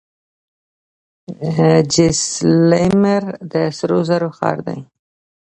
جیسلمیر د سرو زرو ښار دی.